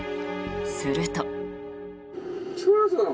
すると。